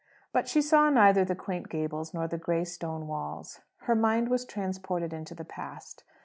But she saw neither the quaint gables nor the gray stone walls. Her mind was transported into the past.